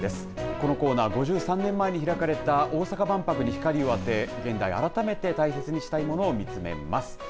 このコーナー、５３年前に開かれた大阪万博に光を当て現在、改めて大切にしたいものを見つめます。